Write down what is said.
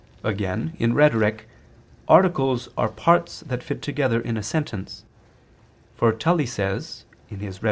Again in rhetoric, articles are parts that fit together in a sentence, for Tully says (Rhet.